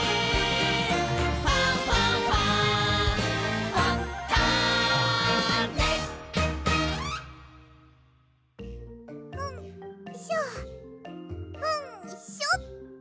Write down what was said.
「ファンファンファン」うんしょうんしょっと。